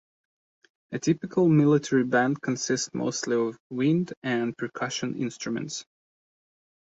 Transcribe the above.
A typical military band consists mostly of wind and percussion instruments.